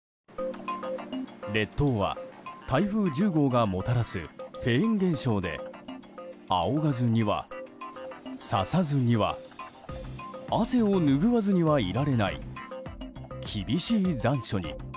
列島は台風１０号がもたらすフェーン現象であおがずには、ささずには汗を拭わずにはいられない厳しい残暑に。